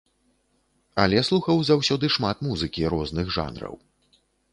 Але слухаў заўсёды шмат музыкі, розных жанраў.